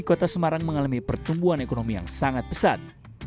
kota semarang mengalami pertumbuhan ekonomi yang sangat pesat